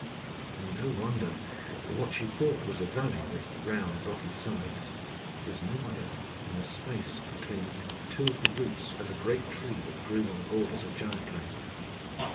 And no wonder; for what she thought was a valley with round, rocky sides, was no other than the space between two of the roots of a great tree that grew on the borders of Giantland.